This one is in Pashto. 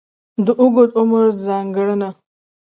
د اوږد عمر ځانګړنه.